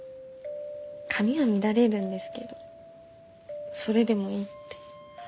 髪は乱れるんですけどそれでもいいって。